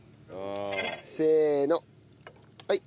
せーのはい。